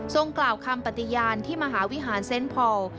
กล่าวคำปฏิญาณที่มหาวิหารเซ็นต์พอล